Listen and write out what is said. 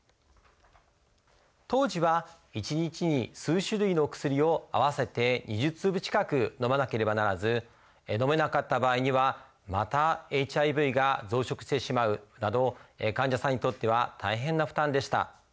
当時は一日に数種類の薬を合わせて２０粒近くのまなければならずのめなかった場合にはまたＨＩＶが増殖してしまうなど患者さんにとっては大変な負担でした。